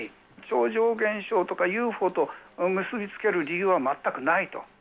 超常現象とかＵＦＯと結び付ける理由は全くないと。